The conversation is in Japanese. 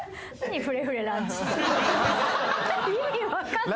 意味分かんない。